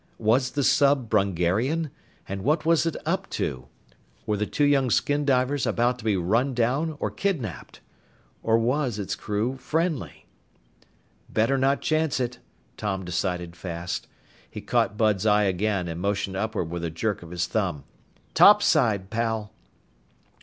Was the sub Brungarian? And what was it up to? Were the two young skin divers about to be run down or kidnaped? Or was its crew friendly? "Better not chance it," Tom decided fast. He caught Bud's eye again and motioned upward with a jerk of his thumb. "Topside, pal!"